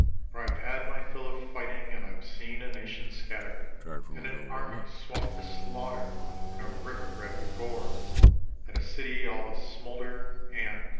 For I've had my fill of fighting, and I've seen a nation scattered, And an army swung to slaughter, and a river red with gore, And a city all a smoulder, and